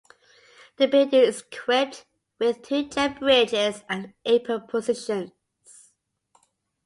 The building is equipped with two jet bridges and apron positions.